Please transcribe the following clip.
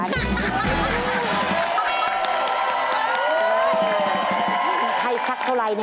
ให้ชักเท่าไรนี่